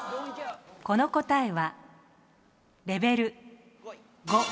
この答えはレベル５。